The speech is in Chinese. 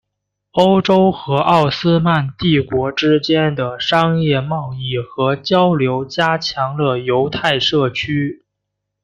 欧洲和奥斯曼帝国之间的商业贸易和交流加强了犹太社区。